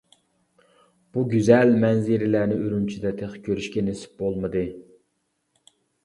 بۇ گۈزەل مەنزىرىلەرنى ئۈرۈمچىدە تېخى كۆرۈشكە نېسىپ بولمىدى.